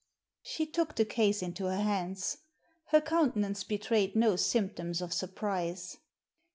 She took the case into her hands. Her coimte nance betrayed no symptoms of surprise.